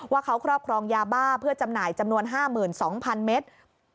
ว่าเขาครอบครองยาบ้าเพื่อจำหน่ายจำนวน๕๒๐๐๐เมตร